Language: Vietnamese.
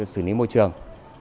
xử lý môi trường